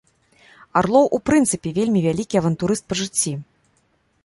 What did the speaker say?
Арлоў у прынцыпе вельмі вялікі авантурыст па жыцці.